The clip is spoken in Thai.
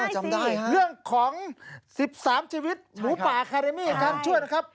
อ๋อจำได้เรื่องของ๑๓ชีวิตหนูป่าแคเรมมี่ทางช่วง